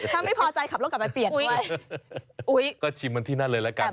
ถ้าไม่พอใจขับรถกลับไปเปลี่ยนด้วยอุ๊ยก็ชิมกันที่นั่นเลยละกัน